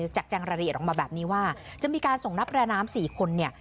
แจงรายละเอียดออกมาแบบนี้ว่าจะมีการส่งนักประดาน้ำ๔คนเนี่ย